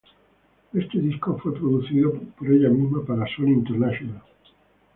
Este disco fue producido por ella misma para Sony International.